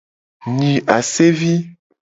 Nyi asevi.